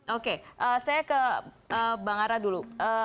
oke saya ke bang ara dulu